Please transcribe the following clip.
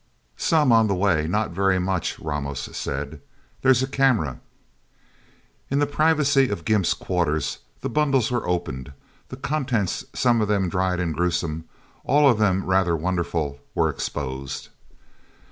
"Some on the way. Not very much," Ramos said. "There's a camera." In the privacy of Gimp's quarters, the bundles were opened; the contents, some of them dried and gruesome, all of them rather wonderful, were exposed.